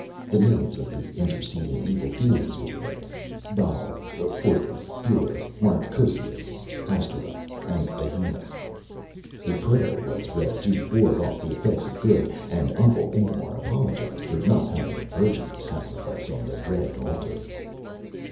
The names of the interceding evil demons were read Bael, Forcas, Buer, Marchocias, Astaroth, and Behemoth. A prayer was read to ward off the effects of Good. And Uncle Ingemar apologized for not having a virgin to sacrifice on the Red Altar.